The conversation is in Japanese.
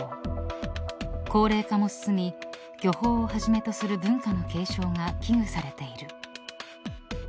［高齢化も進み漁法をはじめとする文化の継承が危惧されている］